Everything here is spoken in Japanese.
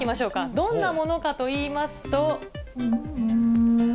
どんなものかといいますと。